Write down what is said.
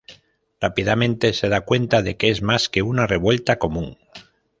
Rápidamente se da cuenta de que es más que una revuelta común.